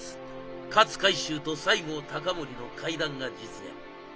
勝海舟と西郷隆盛の会談が実現。